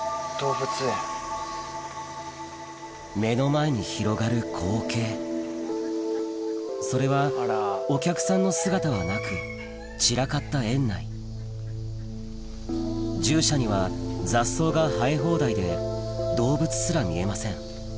目の前に広がる光景それはお客さんの姿はなく散らかった園内獣舎には雑草が生え放題で動物すら見えません